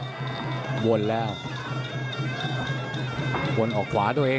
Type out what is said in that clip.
สุภาษณ์อัศวินาฬิกาศาสุภาษณ์